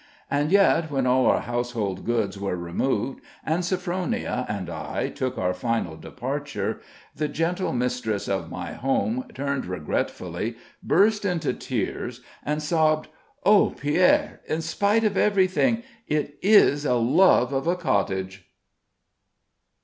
Yet when all our household goods were removed, and Sophronia and I took our final departure, the gentle mistress of my home turned regretfully, burst into tears, and sobbed: "Oh, Pierre! in spite of everything, it is a love of a cottage."